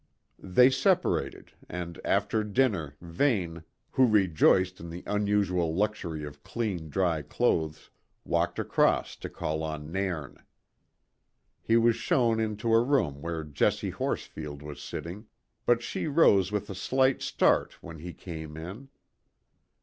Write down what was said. They separated, and after dinner Vane, who rejoiced in the unusual luxury of clean, dry clothes, walked across to call on Nairn. He was shown into a room where Jessie Horsfield was sitting, but she rose with a slight start when he came in.